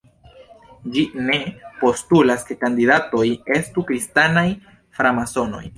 Ĝi "ne" postulas ke kandidatoj estu kristanaj framasonoj.